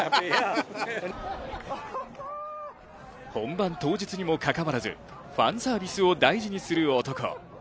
本番当日にもかかわらずファンサービスを大事にする男。